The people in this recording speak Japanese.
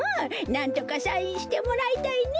なんとかサインしてもらいたいねえ。